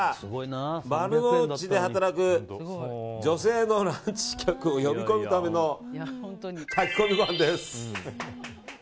丸の内で働く女性のランチ客を呼び込むための炊き込みごはんです。